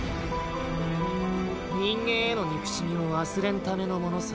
人間への憎しみを忘れんためのものさ。